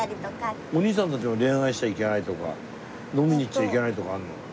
おにいさんたちは恋愛しちゃいけないとか飲みに行っちゃいけないとかあるの？